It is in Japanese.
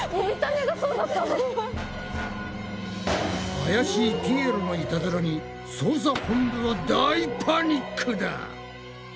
怪しいピエロのイタズラに捜査本部は大パニックだ！